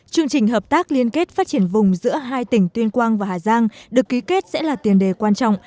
chương trình hợp tác liên kết phát triển vùng giữa hai tỉnh tuyên quang và hà giang được ký kết sẽ là tiền đề quan trọng